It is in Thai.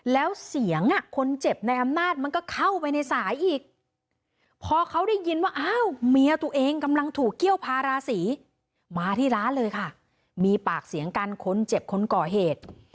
แล้วเสียงคนเจ็บในอำนาจมันก็เข้าไปในสายอีกพอเขาได้ยินว่าอ้าวเมียตัวเองกำลังถูกเขี้ยวพาราศีมาที่ร้านเลยค่ะมีปากเสียงกันคนเจ็บคนก่อเหตุ